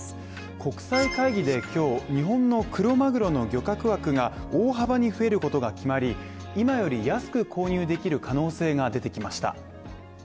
国際会議で今日、日本のクロマグロの漁獲枠が大幅に増えることが決まり、今より安く購入できる可能性が出てきました。